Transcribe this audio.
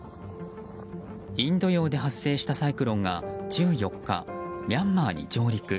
インド洋で発生したサイクロンが１４日、ミャンマーに上陸。